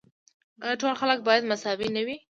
آیا ټول خلک باید مساوي نه وي؟